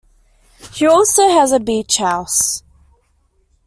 She also has a beach house.